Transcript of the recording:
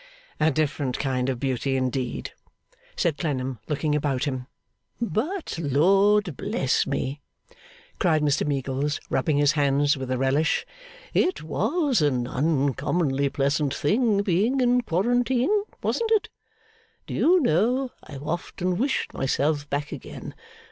'A different kind of beauty, indeed!' said Clennam, looking about him. 'But, Lord bless me!' cried Mr Meagles, rubbing his hands with a relish, 'it was an uncommonly pleasant thing being in quarantine, wasn't it? Do you know, I have often wished myself back again?